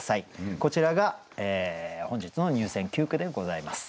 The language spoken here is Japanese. こちらが本日の入選九句でございます。